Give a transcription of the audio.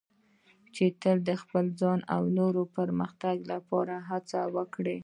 چې تل د خپل ځان او نورو پرمختګ لپاره هڅه وکړه.